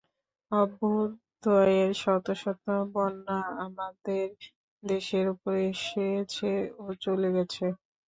অভ্যুদয়ের শত শত বন্যা আমাদের দেশের উপর এসেছে ও চলে গেছে।